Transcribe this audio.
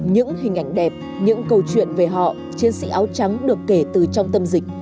những hình ảnh đẹp những câu chuyện về họ chiến sĩ áo trắng được kể từ trong tâm dịch